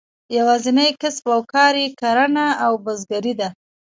یوازینی کسب او کار یې کرهڼه او بزګري ده.